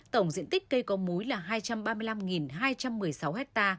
tổng diện tích cây có múi là hai trăm ba mươi năm hai trăm một mươi sáu ha